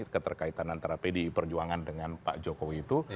keterkaitan antara pdi perjuangan dengan pak jokowi itu